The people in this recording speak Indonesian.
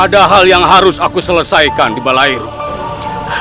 ada hal yang harus aku selesaikan di balai rumah